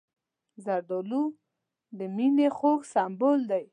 زردالو د مینې خوږ سمبول دی.